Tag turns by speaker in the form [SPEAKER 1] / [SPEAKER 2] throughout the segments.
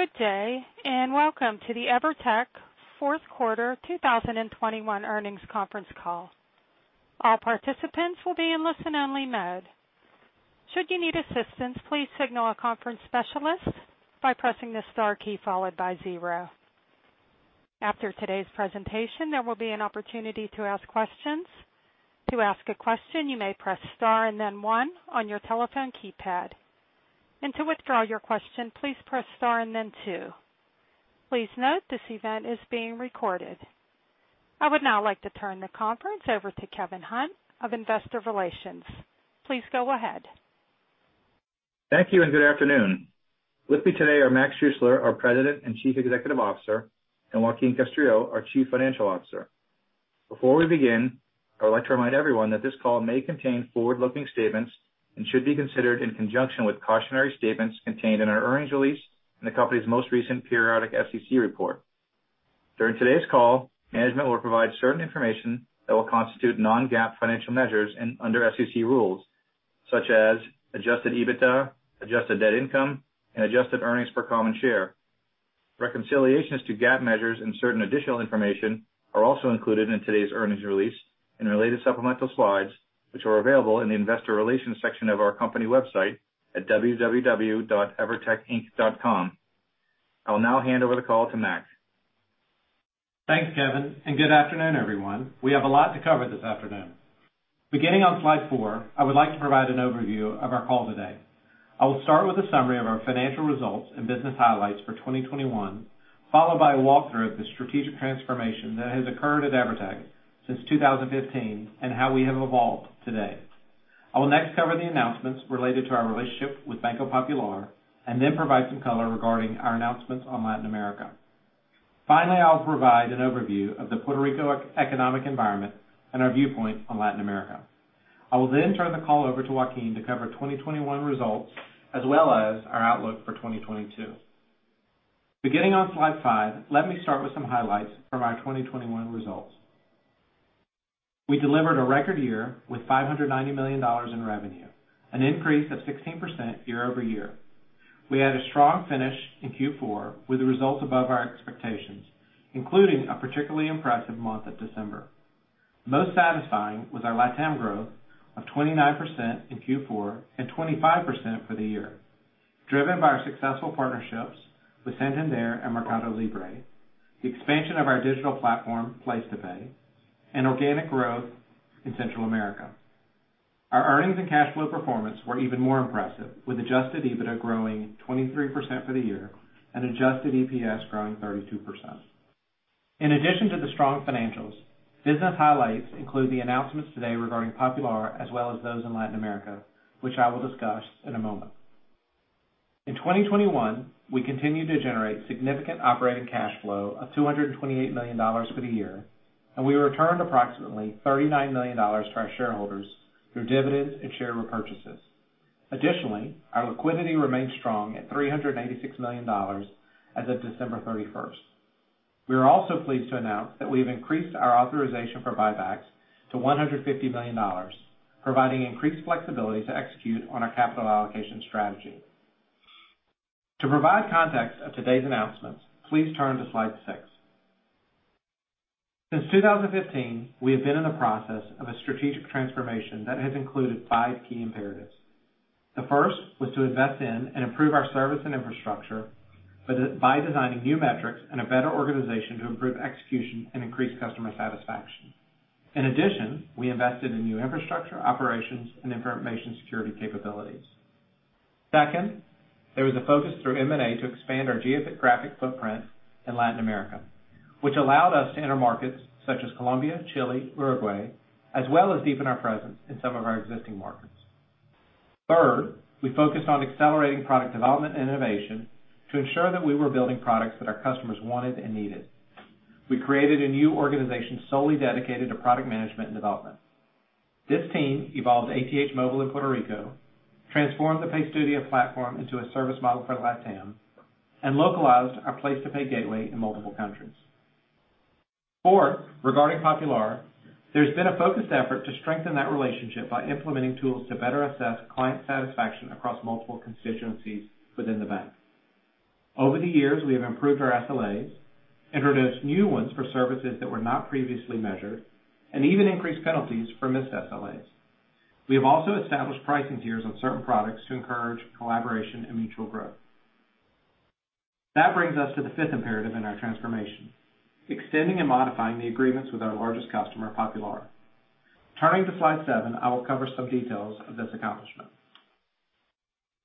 [SPEAKER 1] Good day, and welcome to the EVERTEC fourth quarter 2021 earnings conference call. All participants will be in listen-only mode. Should you need assistance, please signal our conference specialist by pressing the star key followed by zero. After today's presentation, there will be an opportunity to ask questions. To ask a question, you may press star and then one on your telephone keypad. To withdraw your question, please press star and then two. Please note this event is being recorded. I would now like to turn the conference over to Kevin Hunt of Investor Relations. Please go ahead.
[SPEAKER 2] Thank you and good afternoon. With me today are Mac Schuessler, our President and Chief Executive Officer, and Joaquin Castrillo, our Chief Financial Officer. Before we begin, I would like to remind everyone that this call may contain forward-looking statements and should be considered in conjunction with cautionary statements contained in our earnings release and the company's most recent periodic SEC report. During today's call, management will provide certain information that will constitute non-GAAP financial measures and under SEC rules, such as adjusted EBITDA, adjusted net income, and adjusted earnings per common share. Reconciliations to GAAP measures and certain additional information are also included in today's earnings release and related supplemental slides, which are available in the investor relations section of our company website at www.evertecinc.com. I'll now hand over the call to Mac.
[SPEAKER 3] Thanks, Kevin, and good afternoon, everyone. We have a lot to cover this afternoon. Beginning on slide four, I would like to provide an overview of our call today. I will start with a summary of our financial results and business highlights for 2021, followed by a walkthrough of the strategic transformation that has occurred at EVERTEC since 2015 and how we have evolved today. I will next cover the announcements related to our relationship with Banco Popular and then provide some color regarding our announcements on Latin America. Finally, I'll provide an overview of the Puerto Rico economic environment and our viewpoint on Latin America. I will then turn the call over to Joaquin to cover 2021 results, as well as our outlook for 2022. Beginning on slide five, let me start with some highlights from our 2021 results. We delivered a record year with $590 million in revenue, an increase of 16% year-over-year. We had a strong finish in Q4 with the results above our expectations, including a particularly impressive month of December. Most satisfying was our LatAm growth of 29% in Q4 and 25% for the year, driven by our successful partnerships with Santander and Mercado Libre, the expansion of our digital platform, PlacetoPay, and organic growth in Central America. Our earnings and cash flow performance were even more impressive, with adjusted EBITDA growing 23% for the year and adjusted EPS growing 32%. In addition to the strong financials, business highlights include the announcements today regarding Popular as well as those in Latin America, which I will discuss in a moment. In 2021, we continued to generate significant operating cash flow of $228 million for the year, and we returned approximately $39 million to our shareholders through dividends and share repurchases. Additionally, our liquidity remains strong at $386 million as of December 31st. We are also pleased to announce that we have increased our authorization for buybacks to $150 million, providing increased flexibility to execute on our capital allocation strategy. To provide context of today's announcements, please turn to slide six. Since 2015, we have been in the process of a strategic transformation that has included five key imperatives. The first was to invest in and improve our service and infrastructure by by designing new metrics and a better organization to improve execution and increase customer satisfaction. In addition, we invested in new infrastructure, operations, and information security capabilities. Second, there was a focus through M&A to expand our geographic footprint in Latin America, which allowed us to enter markets such as Colombia, Chile, Uruguay, as well as deepen our presence in some of our existing markets. Third, we focused on accelerating product development and innovation to ensure that we were building products that our customers wanted and needed. We created a new organization solely dedicated to product management and development. This team evolved ATH Móvil in Puerto Rico, transformed the PayStudio platform into a service model for LatAm, and localized our PlacetoPay gateway in multiple countries. Fourth, regarding Popular, there's been a focused effort to strengthen that relationship by implementing tools to better assess client satisfaction across multiple constituencies within the bank. Over the years, we have improved our SLAs, introduced new ones for services that were not previously measured, and even increased penalties for missed SLAs. We have also established pricing tiers on certain products to encourage collaboration and mutual growth. That brings us to the fifth imperative in our transformation, extending and modifying the agreements with our largest customer, Popular. Turning to slide seven, I will cover some details of this accomplishment.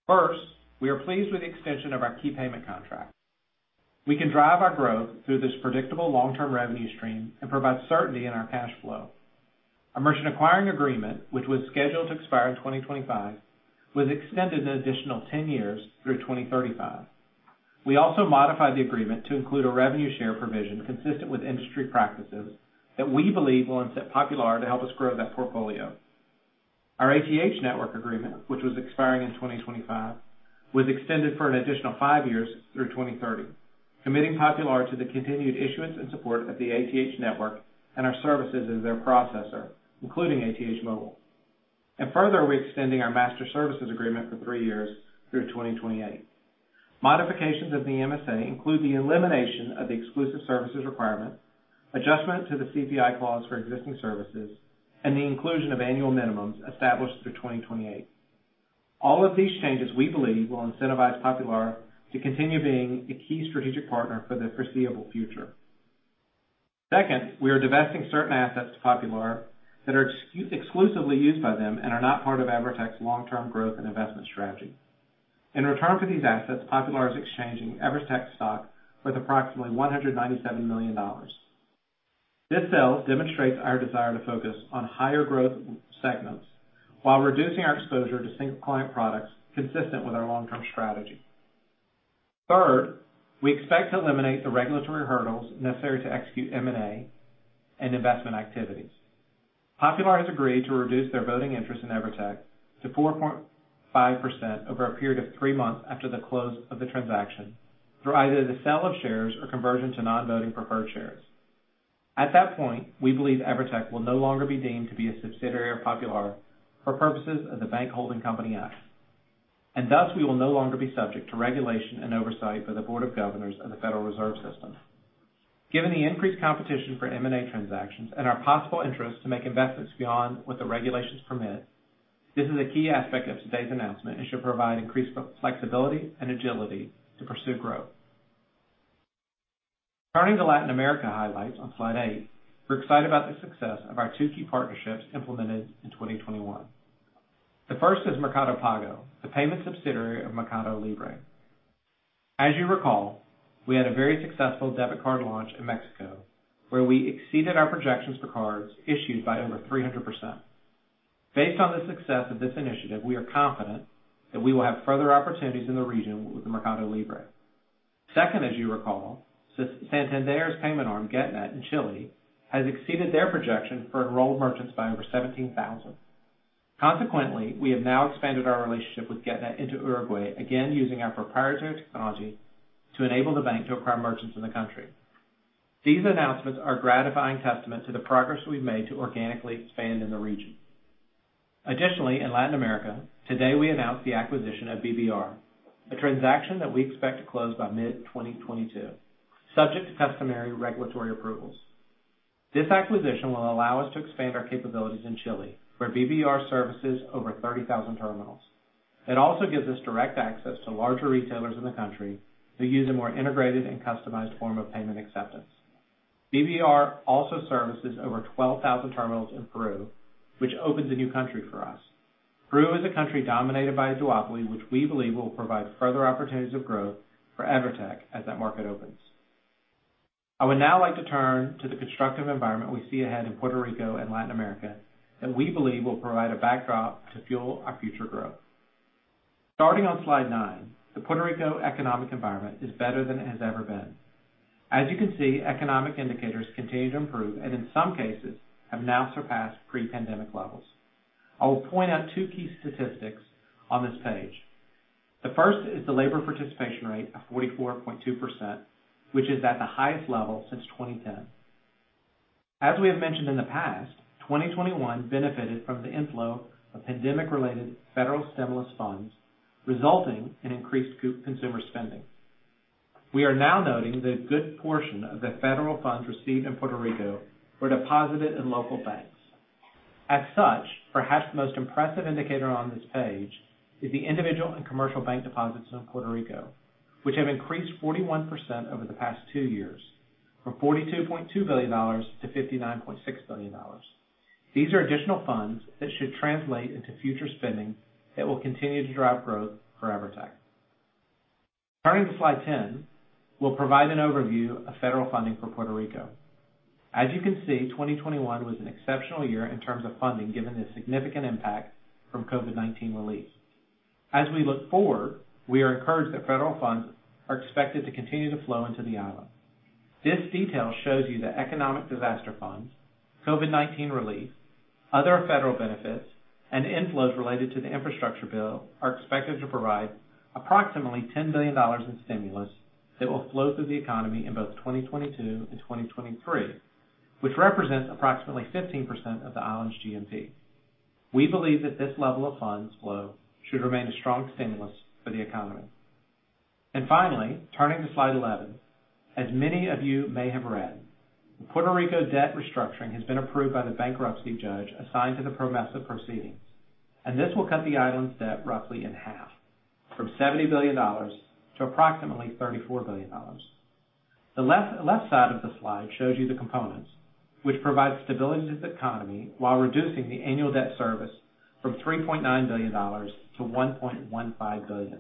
[SPEAKER 3] First, we are pleased with the extension of our key payment contract. We can drive our growth through this predictable long-term revenue stream and provide certainty in our cash flow. Our merchant acquiring agreement, which was scheduled to expire in 2025, was extended an additional 10 years through 2035. We also modified the agreement to include a revenue share provision consistent with industry practices that we believe will incent Popular to help us grow that portfolio. Our ATH network agreement, which was expiring in 2025, was extended for an additional five years through 2030, committing Popular to the continued issuance and support of the ATH network and our services as their processor, including ATH Móvil. Further, we're extending our master services agreement for three years through 2028. Modifications of the MSA include the elimination of the exclusive services requirement, adjustment to the CPI clause for existing services, and the inclusion of annual minimums established through 2028. All of these changes, we believe, will incentivize Popular to continue being a key strategic partner for the foreseeable future. Second, we are divesting certain assets to Popular that are exclusively used by them and are not part of EVERTEC's long-term growth and investment strategy. In return for these assets, Popular is exchanging EVERTEC stock with approximately $197 million. This sale demonstrates our desire to focus on higher growth segments while reducing our exposure to single client products consistent with our long-term strategy. Third, we expect to eliminate the regulatory hurdles necessary to execute M&A and investment activities. Popular has agreed to reduce their voting interest in EVERTEC to 4.5% over a period of three months after the close of the transaction through either the sale of shares or conversion to non-voting preferred shares. At that point, we believe EVERTEC will no longer be deemed to be a subsidiary of Popular for purposes of the Bank Holding Company Act, and thus we will no longer be subject to regulation and oversight by the Board of Governors of the Federal Reserve System. Given the increased competition for M&A transactions and our possible interest to make investments beyond what the regulations permit, this is a key aspect of today's announcement and should provide increased flexibility and agility to pursue growth. Turning to Latin America highlights on slide eight, we're excited about the success of our two key partnerships implemented in 2021. The first is Mercado Pago, the payment subsidiary of Mercado Libre. As you recall, we had a very successful debit card launch in Mexico, where we exceeded our projections for cards issued by over 300%. Based on the success of this initiative, we are confident that we will have further opportunities in the region with Mercado Libre. Second, as you recall, Santander's payment arm, Getnet in Chile, has exceeded their projection for enrolled merchants by over 17,000. Consequently, we have now expanded our relationship with Getnet into Uruguay, again using our proprietary technology to enable the bank to acquire merchants in the country. These announcements are a gratifying testament to the progress we've made to organically expand in the region. Additionally, in Latin America, today we announced the acquisition of BBR, a transaction that we expect to close by mid-2022, subject to customary regulatory approvals. This acquisition will allow us to expand our capabilities in Chile, where BBR services over 30,000 terminals. It also gives us direct access to larger retailers in the country who use a more integrated and customized form of payment acceptance. BBR also services over 12,000 terminals in Peru, which opens a new country for us. Peru is a country dominated by a duopoly, which we believe will provide further opportunities of growth for EVERTEC as that market opens. I would now like to turn to the constructive environment we see ahead in Puerto Rico and Latin America that we believe will provide a backdrop to fuel our future growth. Starting on slide nine, the Puerto Rico economic environment is better than it has ever been. As you can see, economic indicators continue to improve, and in some cases, have now surpassed pre-pandemic levels. I will point out two key statistics on this page. The first is the labor participation rate of 44.2%, which is at the highest level since 2010. As we have mentioned in the past, 2021 benefited from the inflow of pandemic-related federal stimulus funds, resulting in increased co-consumer spending. We are now noting that a good portion of the federal funds received in Puerto Rico were deposited in local banks. As such, perhaps the most impressive indicator on this page is the individual and commercial bank deposits in Puerto Rico, which have increased 41% over the past two years, from $42.2 billion to $59.6 billion. These are additional funds that should translate into future spending that will continue to drive growth for EVERTEC. Turning to slide 10, we'll provide an overview of federal funding for Puerto Rico. As you can see, 2021 was an exceptional year in terms of funding, given the significant impact from COVID-19 relief. As we look forward, we are encouraged that federal funds are expected to continue to flow into the island. This detail shows you that economic disaster funds, COVID-19 relief, other federal benefits, and inflows related to the infrastructure bill are expected to provide approximately $10 billion in stimulus that will flow through the economy in both 2022 and 2023, which represents approximately 15% of the island's GNP. We believe that this level of funds flow should remain a strong stimulus for the economy. Finally, turning to slide 11, as many of you may have read, Puerto Rico debt restructuring has been approved by the bankruptcy judge assigned to the PROMESA proceedings, and this will cut the island's debt roughly in half, from $70 billion to approximately $34 billion. The left side of the slide shows you the components, which provide stability to the economy while reducing the annual debt service from $3.9 billion to $1.15 billion.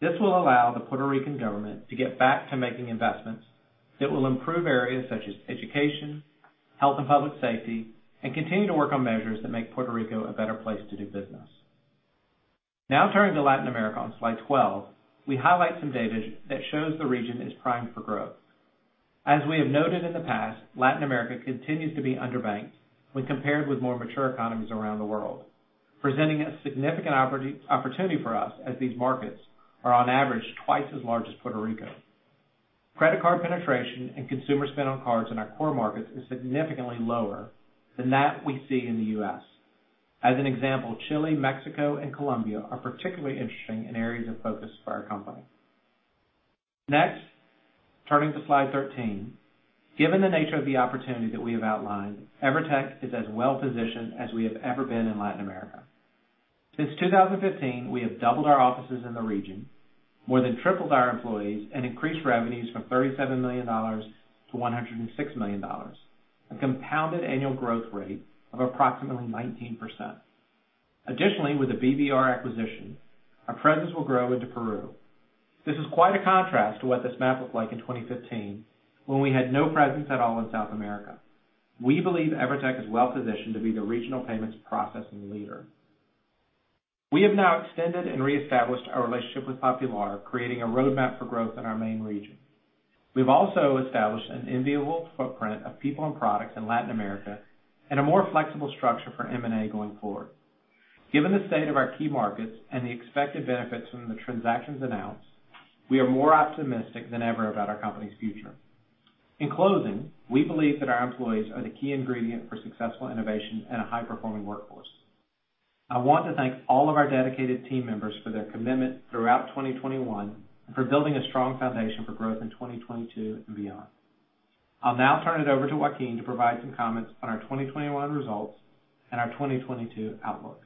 [SPEAKER 3] This will allow the Puerto Rican government to get back to making investments that will improve areas such as education, health and public safety, and continue to work on measures that make Puerto Rico a better place to do business. Now turning to Latin America on slide 12, we highlight some data that shows the region is primed for growth. As we have noted in the past, Latin America continues to be underbanked when compared with more mature economies around the world, presenting a significant opportunity for us as these markets are on average twice as large as Puerto Rico. Credit card penetration and consumer spend on cards in our core markets is significantly lower than that we see in the U.S. As an example, Chile, Mexico, and Colombia are particularly interesting in areas of focus for our company. Next, turning to slide 13. Given the nature of the opportunity that we have outlined, EVERTEC is as well-positioned as we have ever been in Latin America. Since 2015, we have doubled our offices in the region, more than tripled our employees, and increased revenues from $37 million to $106 million, a compounded annual growth rate of approximately 19%. Additionally, with the BBR acquisition, our presence will grow into Peru. This is quite a contrast to what this map looked like in 2015 when we had no presence at all in South America. We believe EVERTEC is well-positioned to be the regional payments processing leader. We have now extended and reestablished our relationship with Popular, creating a roadmap for growth in our main region. We've also established an enviable footprint of people and products in Latin America and a more flexible structure for M&A going forward. Given the state of our key markets and the expected benefits from the transactions announced, we are more optimistic than ever about our company's future. In closing, we believe that our employees are the key ingredient for successful innovation and a high-performing workforce. I want to thank all of our dedicated team members for their commitment throughout 2021 and for building a strong foundation for growth in 2022 and beyond. I'll now turn it over to Joaquin to provide some comments on our 2021 results and our 2022 outlook.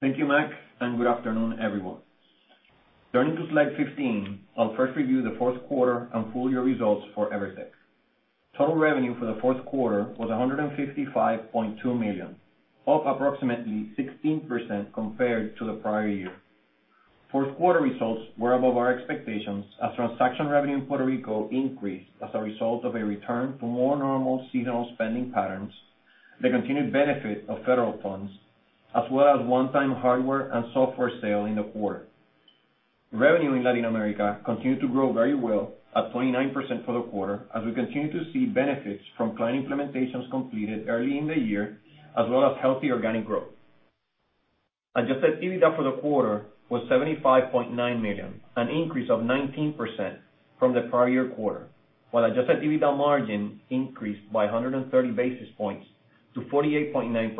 [SPEAKER 4] Thank you, Mac, and good afternoon, everyone. Turning to slide 15, I'll first review the fourth quarter and full year results for EVERTEC. Total revenue for the fourth quarter was $155.2 million, up approximately 16% compared to the prior year. Fourth quarter results were above our expectations as transaction revenue in Puerto Rico increased as a result of a return to more normal seasonal spending patterns, the continued benefit of federal funds, as well as one-time hardware and software sale in the quarter. Revenue in Latin America continued to grow very well at 29% for the quarter, as we continue to see benefits from client implementations completed early in the year, as well as healthy organic growth. Adjusted EBITDA for the quarter was $75.9 million, an increase of 19% from the prior year quarter, while adjusted EBITDA margin increased by 130 basis points to 48.9%.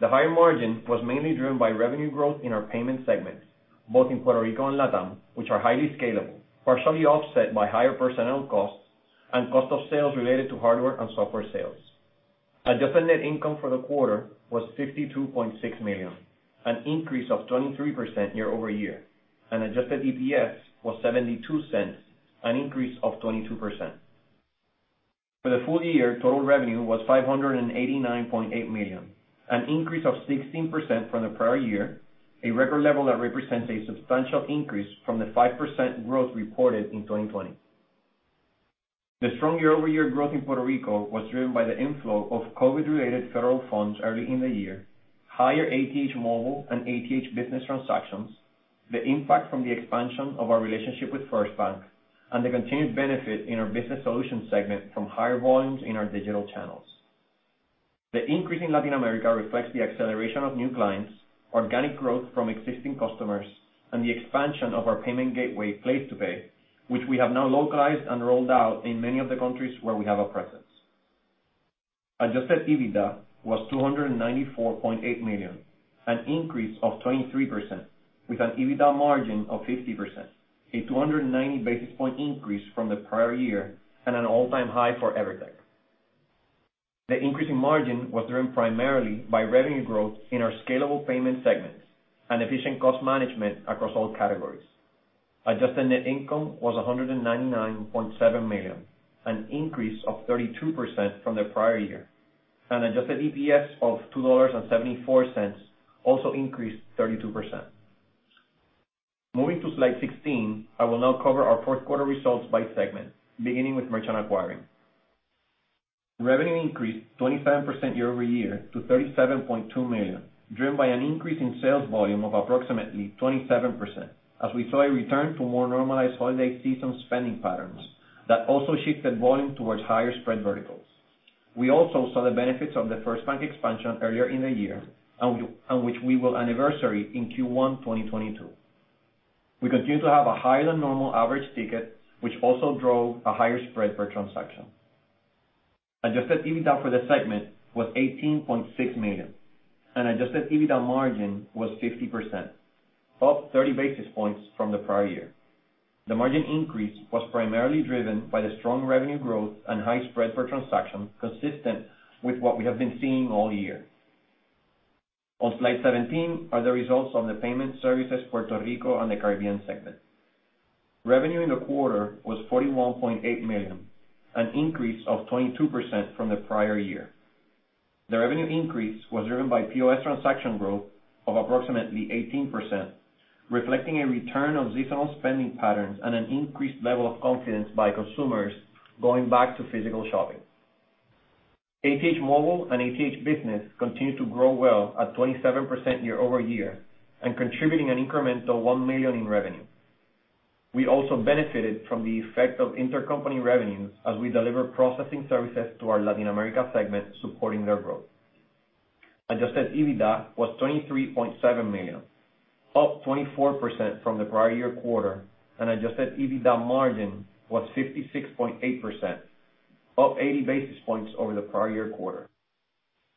[SPEAKER 4] The higher margin was mainly driven by revenue growth in our payment segments, both in Puerto Rico and LatAm, which are highly scalable, partially offset by higher personnel costs and cost of sales related to hardware and software sales. Adjusted net income for the quarter was $52.6 million, an increase of 23% year over year, and adjusted EPS was $0.72, an increase of 22%. For the full year, total revenue was $589.8 million, an increase of 16% from the prior year, a record level that represents a substantial increase from the 5% growth reported in 2020. The strong year-over-year growth in Puerto Rico was driven by the inflow of COVID-related federal funds early in the year, higher ATH Móvil and ATH Business transactions, the impact from the expansion of our relationship with FirstBank, and the continued benefit in our business solutions segment from higher volumes in our digital channels. The increase in Latin America reflects the acceleration of new clients, organic growth from existing customers, and the expansion of our payment gateway, PlacetoPay, which we have now localized and rolled out in many of the countries where we have a presence. Adjusted EBITDA was $294.8 million, an increase of 23% with an EBITDA margin of 50%, a 290 basis point increase from the prior year and an all-time high for EVERTEC. The increase in margin was driven primarily by revenue growth in our scalable payment segments and efficient cost management across all categories. Adjusted net income was $199.7 million, an increase of 32% from the prior year, and adjusted EPS of $2.74 also increased 32%. Moving to slide 16, I will now cover our fourth quarter results by segment, beginning with merchant acquiring. Revenue increased 27% year-over-year to $37.2 million, driven by an increase in sales volume of approximately 27% as we saw a return to more normalized holiday season spending patterns that also shifted volume towards higher spread verticals. We also saw the benefits of the FirstBank expansion earlier in the year, which we will anniversary in Q1 2022. We continue to have a higher than normal average ticket, which also drove a higher spread per transaction. Adjusted EBITDA for the segment was $18.6 million and adjusted EBITDA margin was 50%, up 30 basis points from the prior year. The margin increase was primarily driven by the strong revenue growth and high spread per transaction, consistent with what we have been seeing all year. On slide 17 are the results of the payment services Puerto Rico and the Caribbean segment. Revenue in the quarter was $41.8 million, an increase of 22% from the prior year. The revenue increase was driven by POS transaction growth of approximately 18%, reflecting a return of seasonal spending patterns and an increased level of confidence by consumers going back to physical shopping. ATH Móvil and ATH Business continued to grow well at 27% year-over-year and contributing an incremental $1 million in revenue. We also benefited from the effect of intercompany revenues as we deliver processing services to our Latin America segment, supporting their growth. Adjusted EBITDA was $23.7 million, up 24% from the prior year quarter, and adjusted EBITDA margin was 56.8%, up 80 basis points over the prior year quarter.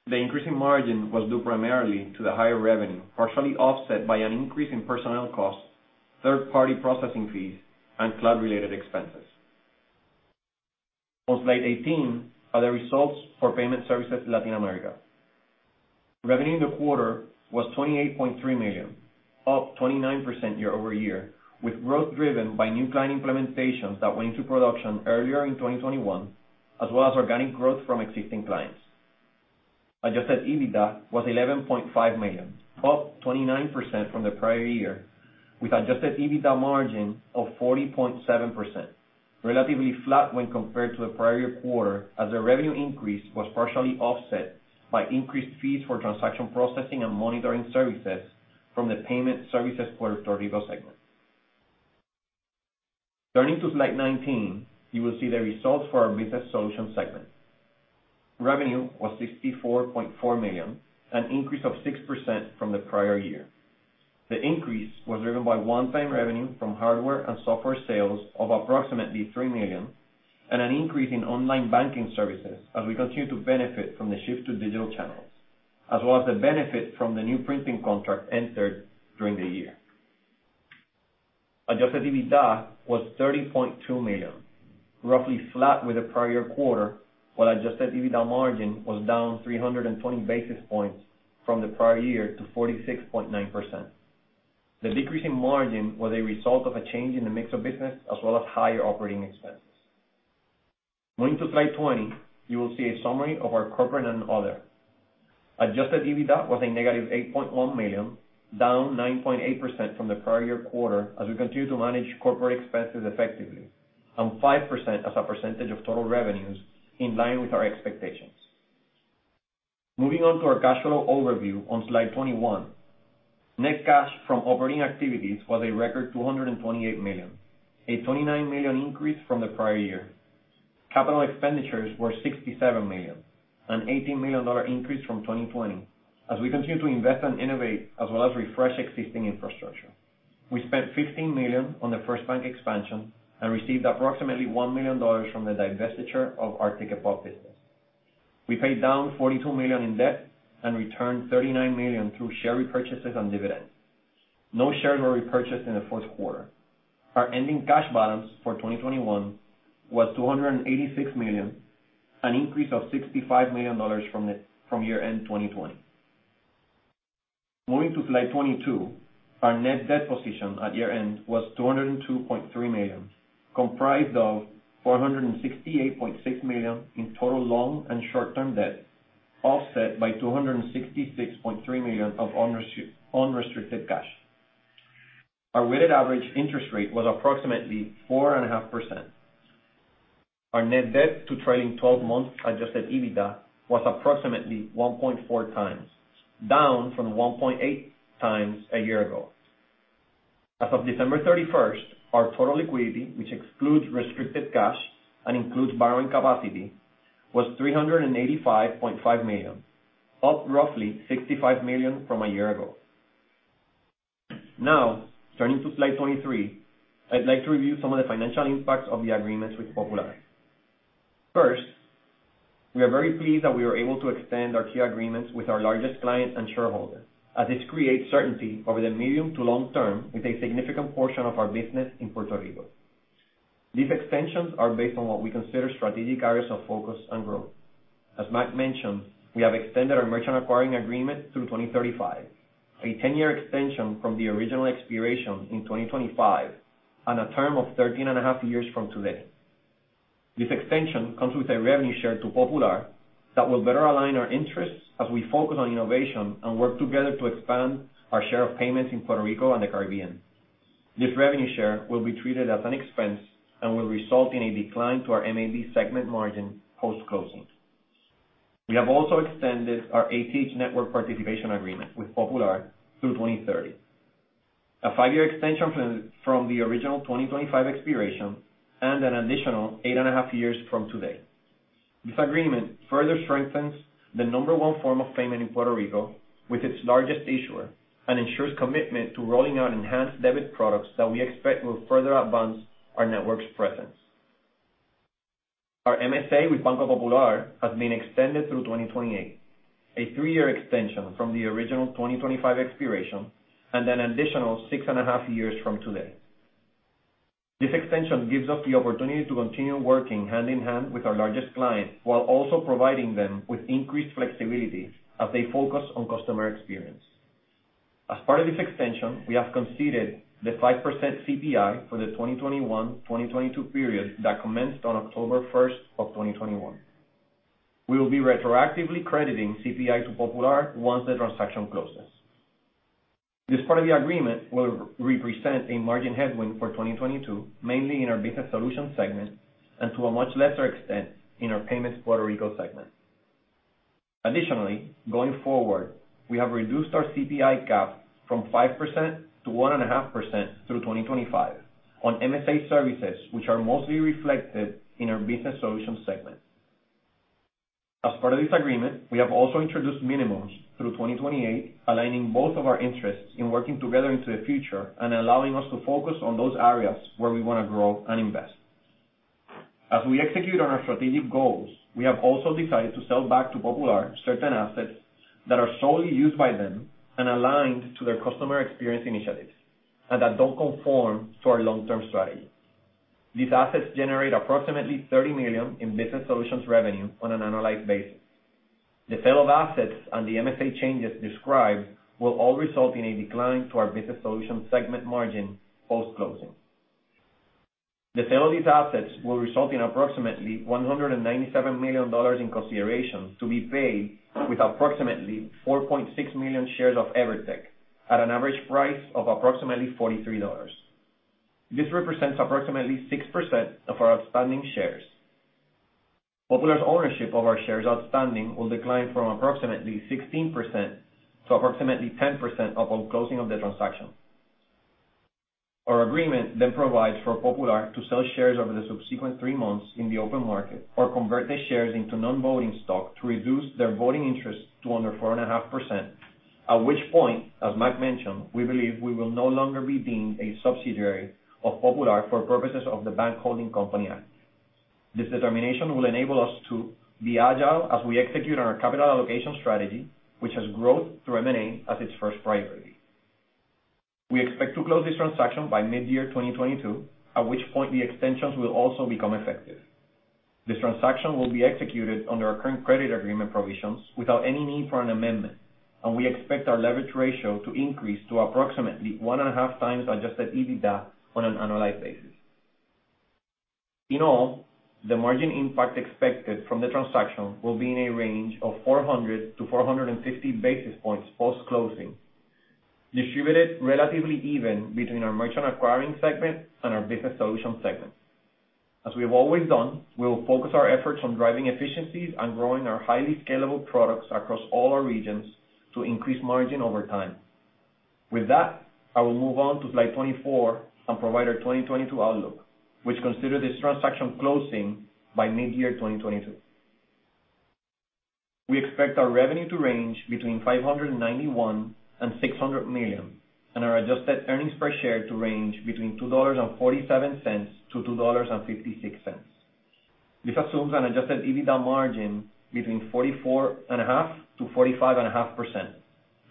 [SPEAKER 4] The increase in margin was due primarily to the higher revenue, partially offset by an increase in personnel costs, third-party processing fees, and cloud-related expenses. On slide 18 are the results for Payment Services Latin America. Revenue in the quarter was $28.3 million, up 29% year-over-year, with growth driven by new client implementations that went into production earlier in 2021, as well as organic growth from existing clients. Adjusted EBITDA was $11.5 million, up 29% from the prior year, with adjusted EBITDA margin of 40.7%, relatively flat when compared to the prior year quarter as the revenue increase was partially offset by increased fees for transaction processing and monitoring services from the Payment Services Puerto Rico segment. Turning to slide 19, you will see the results for our Business Solutions segment. Revenue was $64.4 million, an increase of 6% from the prior year. The increase was driven by one-time revenue from hardware and software sales of approximately $3 million and an increase in online banking services as we continue to benefit from the shift to digital channels, as well as the benefit from the new printing contract entered during the year. Adjusted EBITDA was $30.2 million, roughly flat with the prior year quarter, while adjusted EBITDA margin was down 320 basis points from the prior year to 46.9%. The decrease in margin was a result of a change in the mix of business as well as higher operating expenses. Moving to slide 20, you will see a summary of our corporate and other. Adjusted EBITDA was -$8.1 million, down 9.8% from the prior year quarter as we continue to manage corporate expenses effectively, and 5% as a percentage of total revenues in line with our expectations. Moving on to our cash flow overview on slide 21. Net cash from operating activities was a record $228 million, a $29 million increase from the prior year. Capital expenditures were $67 million, an $18 million increase from 2020 as we continue to invest and innovate as well as refresh existing infrastructure. We spent $15 million on the FirstBank expansion and received approximately $1 million from the divestiture of our Ticketpop business. We paid down $42 million in debt and returned $39 million through share repurchases and dividends. No shares were repurchased in the fourth quarter. Our ending cash balance for 2021 was $286 million, an increase of $65 million from year-end 2020. Moving to slide 22. Our net debt position at year-end was $202.3 million, comprised of $468.6 million in total long- and short-term debt, offset by $266.3 million of unrestricted cash. Our weighted average interest rate was approximately 4.5%. Our net debt to trailing 12-month adjusted EBITDA was approximately 1.4x, down from 1.8x a year ago. As of December 31st, our total liquidity, which excludes restricted cash and includes borrowing capacity, was $385.5 million, up roughly $65 million from a year ago. Now, turning to slide 23, I'd like to review some of the financial impacts of the agreements with Popular. First, we are very pleased that we were able to extend our key agreements with our largest client and shareholder, as this creates certainty over the medium to long term with a significant portion of our business in Puerto Rico. These extensions are based on what we consider strategic areas of focus and growth. As Mac mentioned, we have extended our merchant acquiring agreement through 2035, a 10-year extension from the original expiration in 2025 on a term of 13.5 years from today. This extension comes with a revenue share to Popular that will better align our interests as we focus on innovation and work together to expand our share of payments in Puerto Rico and the Caribbean. This revenue share will be treated as an expense and will result in a decline to our MAB segment margin post-closing. We have also extended our ATH Network participation agreement with Popular through 2030, a five-year extension from the original 2025 expiration and an additional 8.5 years from today. This agreement further strengthens the number one form of payment in Puerto Rico with its largest issuer and ensures commitment to rolling out enhanced debit products that we expect will further advance our network's presence. Our MSA with Banco Popular has been extended through 2028, a three-year extension from the original 2025 expiration and an additional 6.5 years from today. This extension gives us the opportunity to continue working hand in hand with our largest client while also providing them with increased flexibility as they focus on customer experience. As part of this extension, we have conceded the 5% CPI for the 2021-2022 period that commenced on October 1st, 2021. We will be retroactively crediting CPI to Popular once the transaction closes. This part of the agreement will represent a margin headwind for 2022, mainly in our Business Solutions segment and to a much lesser extent in our Payments Puerto Rico segment. Additionally, going forward, we have reduced our CPI gap from 5% to 1.5% through 2025 on MSA services, which are mostly reflected in our Business Solutions segment. As part of this agreement, we have also introduced minimums through 2028, aligning both of our interests in working together into the future and allowing us to focus on those areas where we want to grow and invest. As we execute on our strategic goals, we have also decided to sell back to Popular certain assets that are solely used by them and aligned to their customer experience initiatives, and that don't conform to our long-term strategy. These assets generate approximately $30 million in business solutions revenue on an annualized basis. The sale of assets and the MSA changes described will all result in a decline to our business solutions segment margin post-closing. The sale of these assets will result in approximately $197 million in consideration to be paid with approximately 4.6 million shares of EVERTEC at an average price of approximately $43. This represents approximately 6% of our outstanding shares. Popular's ownership of our shares outstanding will decline from approximately 16%-10% upon closing of the transaction. Our agreement provides for Popular to sell shares over the subsequent three months in the open market or convert the shares into non-voting stock to reduce their voting interest to under 4.5%, at which point, as Mac mentioned, we believe we will no longer be deemed a subsidiary of Popular for purposes of the Bank Holding Company Act. This determination will enable us to be agile as we execute on our capital allocation strategy, which has growth through M&A as its first priority. We expect to close this transaction by mid-year 2022, at which point the extensions will also become effective. This transaction will be executed under our current credit agreement provisions without any need for an amendment, and we expect our leverage ratio to increase to approximately 1.5x adjusted EBITDA on an annualized basis. In all, the margin impact expected from the transaction will be in a range of 400-450 basis points post-closing, distributed relatively even between our Merchant Acquiring segment and our Business Solutions segment. As we have always done, we will focus our efforts on driving efficiencies and growing our highly scalable products across all our regions to increase margin over time. With that, I will move on to slide 24 and provide our 2022 outlook, which consider this transaction closing by mid-year 2022. We expect our revenue to range between $591 million and $600 million, and our adjusted earnings per share to range between $2.47-$2.56. This assumes an adjusted EBITDA margin between 44.5%-45.5%,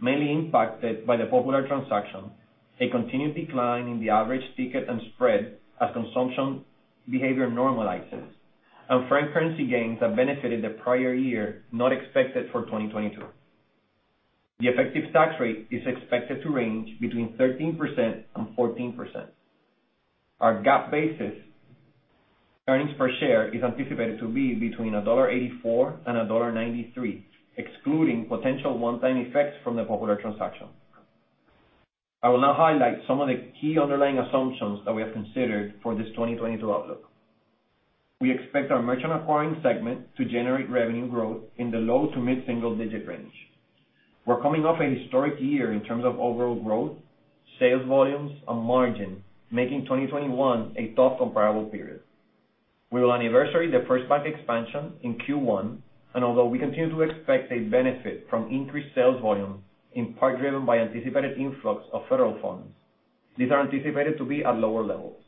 [SPEAKER 4] mainly impacted by the Popular transaction, a continued decline in the average ticket and spread as consumption behavior normalizes, and foreign currency gains have benefited the prior year, not expected for 2022. The effective tax rate is expected to range between 13%-14%. Our GAAP basis earnings per share is anticipated to be between $1.84-$1.93, excluding potential one-time effects from the Popular transaction. I will now highlight some of the key underlying assumptions that we have considered for this 2022 outlook. We expect our merchant acquiring segment to generate revenue growth in the low- to mid-single-digit range. We're coming off a historic year in terms of overall growth, sales volumes and margin, making 2021 a tough comparable period. We will anniversary the FirstBank expansion in Q1, and although we continue to expect a benefit from increased sales volume, in part driven by anticipated influx of federal funds, these are anticipated to be at lower levels.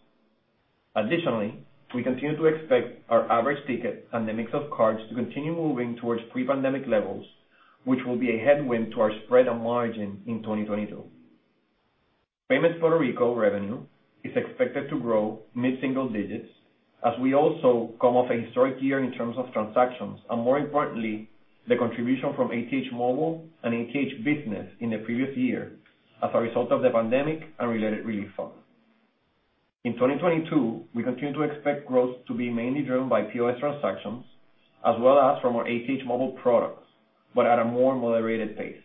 [SPEAKER 4] Additionally, we continue to expect our average ticket and the mix of cards to continue moving towards pre-pandemic levels, which will be a headwind to our spread on margin in 2022. Payments Puerto Rico revenue is expected to grow mid-single digits as we also come off a historic year in terms of transactions and, more importantly, the contribution from ATH Móvil and ATH Business in the previous year as a result of the pandemic and related relief funds. In 2022, we continue to expect growth to be mainly driven by POS transactions as well as from our ATH Móvil products, but at a more moderated pace.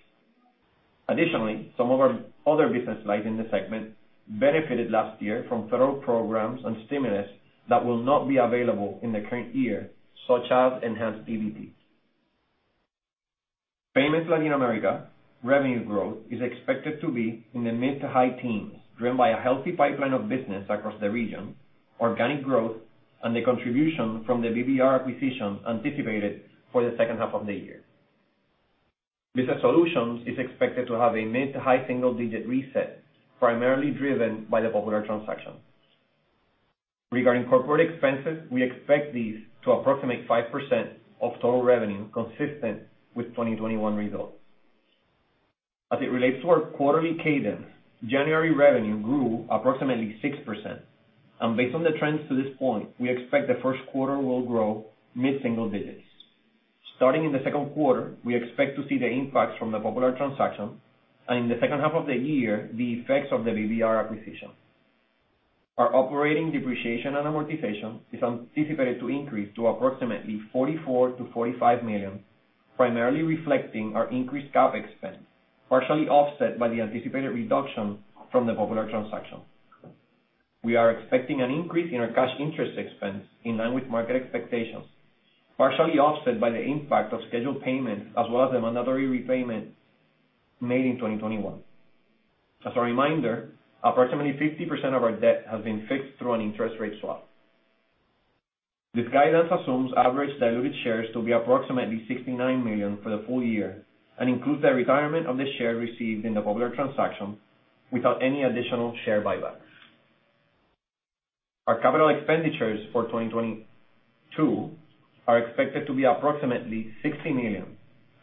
[SPEAKER 4] Additionally, some of our other business lines in the segment benefited last year from federal programs and stimulus that will not be available in the current year, such as enhanced EBT. Payments Latin America revenue growth is expected to be in the mid- to high-teens, driven by a healthy pipeline of business across the region, organic growth, and the contribution from the BBR acquisition anticipated for the second half of the year. Business Solutions is expected to have a mid- to high-single-digit reset, primarily driven by the Popular transaction. Regarding corporate expenses, we expect these to approximate 5% of total revenue, consistent with 2021 results. As it relates to our quarterly cadence, January revenue grew approximately 6%. Based on the trends to this point, we expect the first quarter will grow mid-single digits. Starting in the second quarter, we expect to see the impacts from the Popular transaction, and in the second half of the year, the effects of the BBR acquisition. Our operating depreciation and amortization is anticipated to increase to approximately $44 million-$45 million, primarily reflecting our increased CapEx spend, partially offset by the anticipated reduction from the Popular transaction. We are expecting an increase in our cash interest expense in line with market expectations, partially offset by the impact of scheduled payments as well as the mandatory repayments made in 2021. As a reminder, approximately 50% of our debt has been fixed through an interest rate swap. This guidance assumes average diluted shares to be approximately 69 million for the full year and includes the retirement of the share received in the Popular transaction without any additional share buybacks. Our capital expenditures for 2022 are expected to be approximately $60 million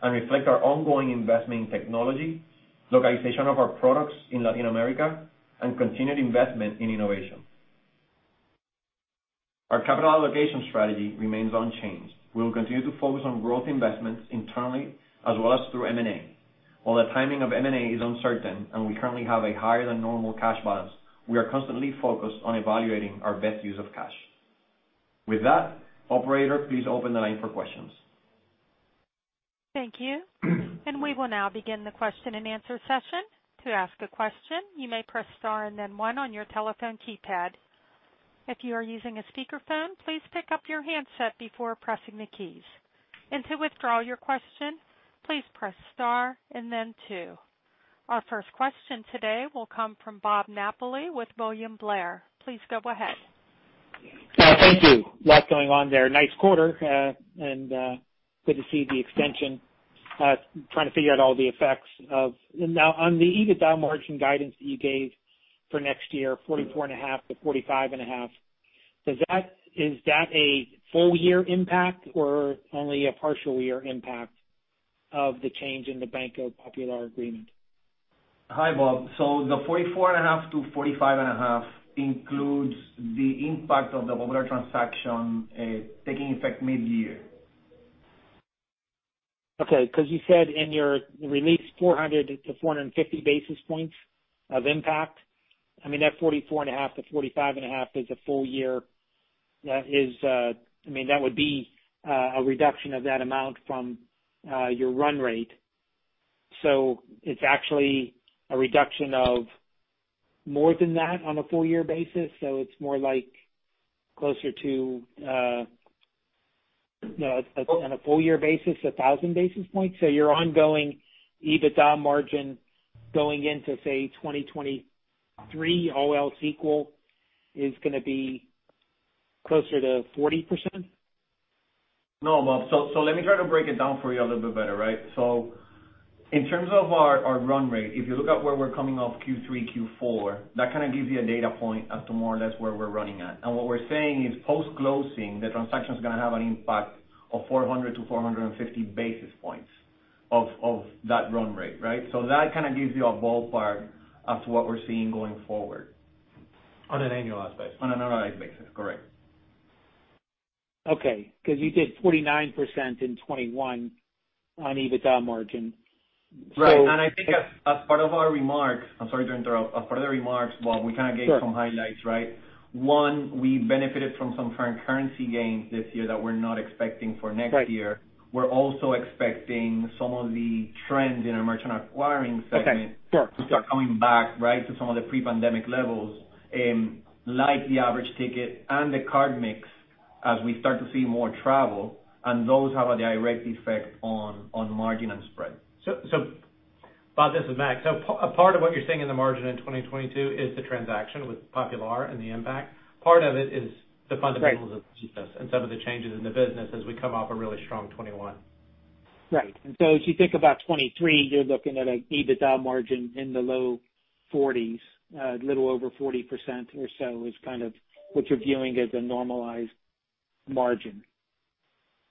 [SPEAKER 4] and reflect our ongoing investment in technology, localization of our products in Latin America, and continued investment in innovation. Our capital allocation strategy remains unchanged. We will continue to focus on growth investments internally as well as through M&A. While the timing of M&A is uncertain and we currently have a higher than normal cash balance, we are constantly focused on evaluating our best use of cash. With that, operator, please open the line for questions.
[SPEAKER 1] Thank you. We will now begin the question-and-answer session. To ask a question, you may press star and then one on your telephone keypad. If you are using a speakerphone, please pick up your handset before pressing the keys. To withdraw your question, please press star and then two. Our first question today will come from Bob Napoli with William Blair. Please go ahead.
[SPEAKER 5] Thank you. A lot going on there. Nice quarter and good to see the extension, trying to figure out all the effects. Now, on the EBITDA margin guidance that you gave for next year, 44.5%-45.5%, is that a full year impact or only a partial year impact of the change in the Banco Popular agreement?
[SPEAKER 4] Hi, Bob. The 44.5%-45.5% includes the impact of the Popular transaction, taking effect mid-year.
[SPEAKER 5] Okay. Because you said in your release 400-450 basis points of impact. I mean, that 44.5%-45.5% is a full year, I mean, that would be a reduction of that amount from your run rate. It's actually a reduction of more than that on a full year basis. It's more like closer to, you know, on a full year basis, 1,000 basis points. Your ongoing EBITDA margin going into, say, 2023, all else equal, is gonna be closer to 40%?
[SPEAKER 4] No, Bob. Let me try to break it down for you a little bit better, right? In terms of our run rate, if you look at where we're coming off Q3, Q4, that kind of gives you a data point as to more or less where we're running at. What we're saying is post-closing, the transaction is gonna have an impact of 400-450 basis points of that run rate, right? That kind of gives you a ballpark as to what we're seeing going forward.
[SPEAKER 3] On an annualized basis.
[SPEAKER 4] On an annualized basis, correct.
[SPEAKER 5] Okay. 'Cause you did 49% in 2021 on EBITDA margin.
[SPEAKER 4] Right. I think as part of our remarks, I'm sorry to interrupt. As part of the remarks, Bob, we kind of gave some highlights, right?
[SPEAKER 5] Sure.
[SPEAKER 4] One, we benefited from some current currency gains this year that we're not expecting for next year.
[SPEAKER 5] Right.
[SPEAKER 4] We're also expecting some of the trends in our merchant acquiring segment.
[SPEAKER 5] Okay. Sure. Sure.
[SPEAKER 4] to start coming back, right, to some of the pre-pandemic levels, like the average ticket and the card mix as we start to see more travel, and those have a direct effect on margin and spread.
[SPEAKER 3] Bob, this is Mac. A part of what you're seeing in the margin in 2022 is the transaction with Popular and the impact. Part of it is the fundamentals of the business and some of the changes in the business as we come off a really strong 2021.
[SPEAKER 5] Right. As you think about 2023, you're looking at an EBITDA margin in the low 40s, a little over 40% or so is kind of what you're viewing as a normalized margin.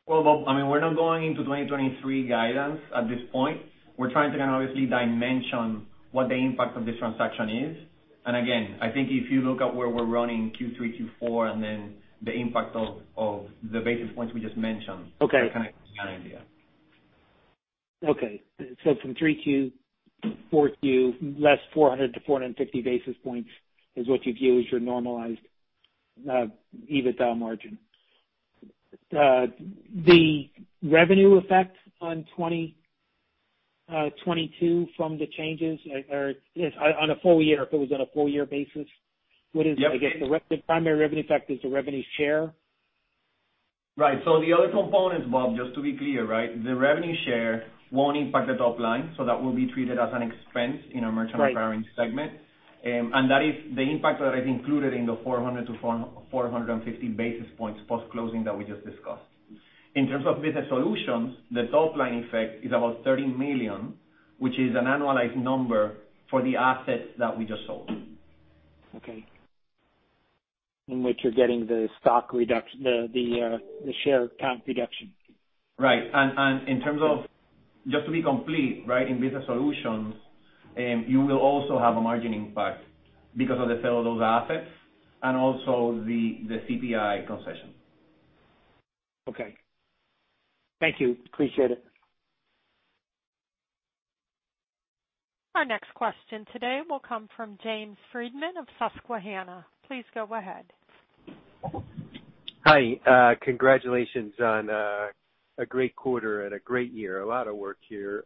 [SPEAKER 4] Well, Bob, I mean, we're not going into 2023 guidance at this point. We're trying to kind of obviously dimension what the impact of this transaction is. Again, I think if you look at where we're running Q3, Q4, and then the impact of the basis points we just mentioned.
[SPEAKER 5] Okay.
[SPEAKER 4] You'll kind of get an idea.
[SPEAKER 5] Okay. From 3Q, 4Q, less 400-450 basis points is what you view as your normalized EBITDA margin. The revenue effect on 2022 from the changes or on a full year, if it was on a full year basis, what is it?
[SPEAKER 4] Yep.
[SPEAKER 5] I guess, the primary revenue effect is the revenue share.
[SPEAKER 4] Right. The other components, Bob, just to be clear, right? The revenue share won't impact the top line, that will be treated as an expense in our merchant acquiring segment.
[SPEAKER 5] Right.
[SPEAKER 4] That is the impact that is included in the 400-450 basis points post-closing that we just discussed. In terms of business solutions, the top line effect is about $30 million, which is an annualized number for the assets that we just sold.
[SPEAKER 5] Okay. In which you're getting the share count reduction.
[SPEAKER 4] Right. In terms of just to be complete, right? In business solutions, you will also have a margin impact because of the sale of those assets and also the CPI concession.
[SPEAKER 5] Okay. Thank you. Appreciate it.
[SPEAKER 1] Our next question today will come from James Friedman of Susquehanna. Please go ahead.
[SPEAKER 6] Hi. Congratulations on a great quarter and a great year. A lot of work here.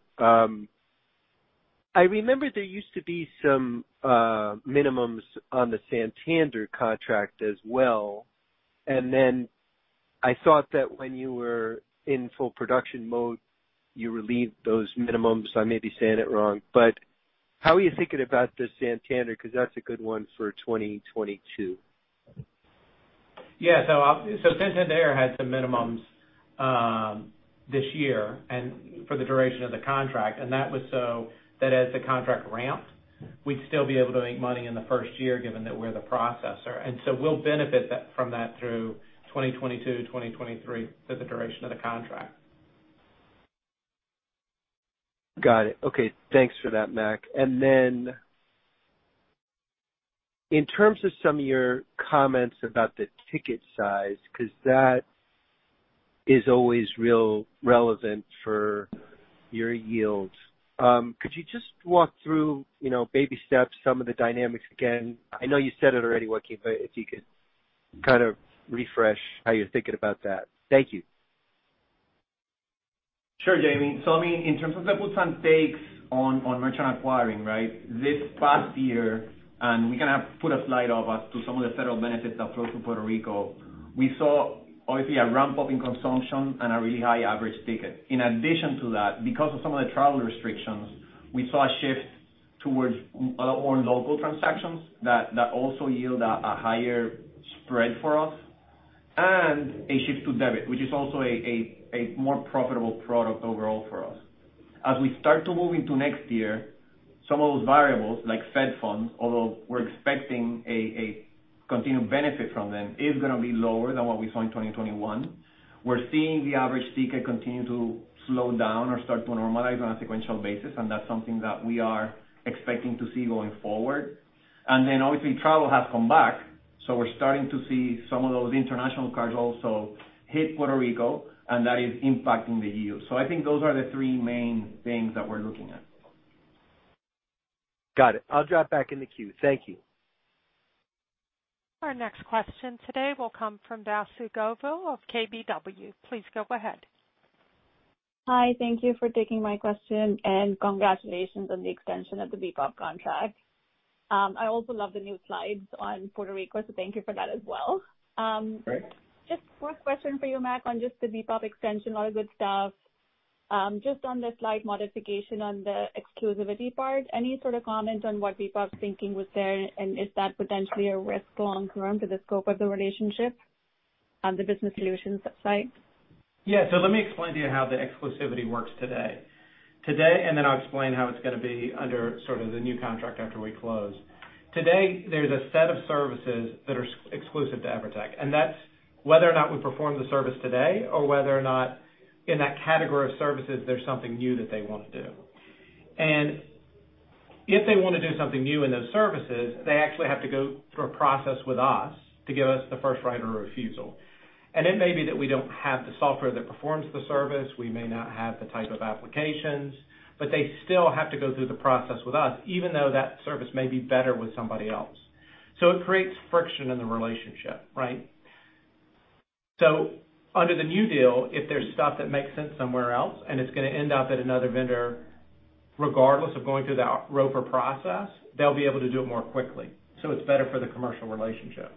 [SPEAKER 6] I remember there used to be some minimums on the Santander contract as well. Then I thought that when you were in full production mode, you relieved those minimums. I may be saying it wrong, but how are you thinking about the Santander? Because that's a good one for 2022.
[SPEAKER 3] Yeah. Santander had some minimums this year and for the duration of the contract, and that was so that as the contract ramped, we'd still be able to make money in the first year, given that we're the processor. We'll benefit from that through 2022-2023 for the duration of the contract.
[SPEAKER 6] Got it. Okay. Thanks for that, Mac. In terms of some of your comments about the ticket size, because that is always really relevant for your yields, could you just walk through, you know, baby steps some of the dynamics again? I know you said it already, Joaquin, but if you could kind of refresh how you're thinking about that. Thank you.
[SPEAKER 4] Sure, James. I mean, in terms of the puts and takes on merchant acquiring, right? This past year, we kind of put a slide up as to some of the federal benefits that flow through Puerto Rico. We saw obviously a ramp up in consumption and a really high average ticket. In addition to that, because of some of the travel restrictions, we saw a shift towards a lot more local transactions that also yield a higher spread for us and a shift to debit, which is also a more profitable product overall for us. As we start to move into next year, some of those variables like Fed funds, although we're expecting a continued benefit from them, is gonna be lower than what we saw in 2021. We're seeing the average ticket continue to slow down or start to normalize on a sequential basis, and that's something that we are expecting to see going forward. Obviously, travel has come back, so we're starting to see some of those international cards also hit Puerto Rico, and that is impacting the yields. I think those are the three main things that we're looking at.
[SPEAKER 6] Got it. I'll drop back in the queue. Thank you.
[SPEAKER 1] Our next question today will come from Vasundhara Govil of KBW. Please go ahead.
[SPEAKER 7] Hi. Thank you for taking my question and congratulations on the extension of the BPOP contract. I also love the new slides on Puerto Rico, so thank you for that as well.
[SPEAKER 3] Great.
[SPEAKER 7] Just first question for you, Mac, on just the BPOP extension. A lot of good stuff. Just on the slide modification on the exclusivity part, any sort of comment on what BPOP's thinking was there and is that potentially a risk long-term to the scope of the relationship on the business solutions site?
[SPEAKER 3] Yeah. Let me explain to you how the exclusivity works today. Today, I'll explain how it's gonna be under sort of the new contract after we close. Today, there's a set of services that are exclusive to EVERTEC, and that's whether or not we perform the service today or whether or not in that category of services there's something new that they want to do. If they wanna do something new in those services, they actually have to go through a process with us to give us the right of first refusal. It may be that we don't have the software that performs the service. We may not have the type of applications, but they still have to go through the process with us, even though that service may be better with somebody else. It creates friction in the relationship, right? Under the new deal, if there's stuff that makes sense somewhere else and it's gonna end up at another vendor, regardless of going through the ROFR process, they'll be able to do it more quickly. It's better for the commercial relationship.